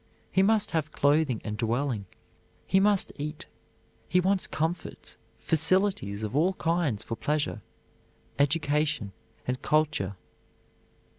He must have clothing and dwelling; he must eat. He wants comforts, facilities of all kinds for pleasure, education, and culture.